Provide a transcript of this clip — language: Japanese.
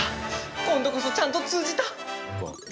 今度こそちゃんと通じた。